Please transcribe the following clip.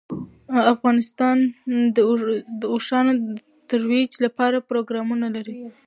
افغانستان د اوښانو د ترویج لپاره پروګرامونه لري.